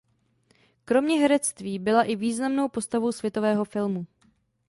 Kromě herectví byla i významnou postavou světového filmu.